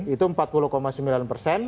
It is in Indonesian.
itu empat puluh sembilan persen